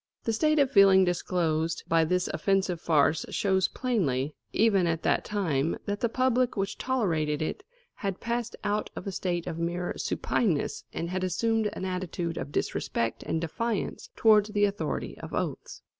The state of feeling disclosed by this offensive farce shows plainly, even at that time, that the public which tolerated it had passed out of a state of mere supineness and had assumed an attitude of disrespect and defiance towards the authority of oaths.